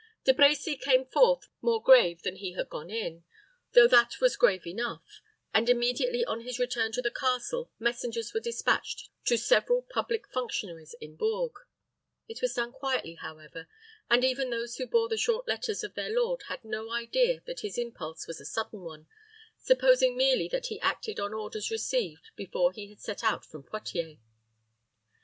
De Brecy came forth more grave than he had gone in, though that was grave enough, and immediately on his return to the castle messengers were dispatched to several public functionaries in Bourges. It was done quietly, however, and even those who bore the short letters of their lord had no idea that his impulse was a sudden one, supposing merely that he acted on orders received before he had set out from Poictiers.